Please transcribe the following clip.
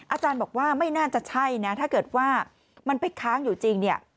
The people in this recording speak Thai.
อาจารย์บอกว่าไม่น่าจะใช่นะถ้าเกิดว่ามันไปค้างอยู่จริงเนี่ย